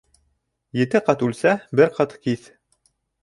Ете ҡат үлсә, бер ҡат киҫ.